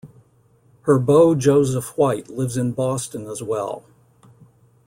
Her beau Joseph White lives in Boston as well.